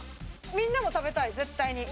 みんなも食べたい絶対に。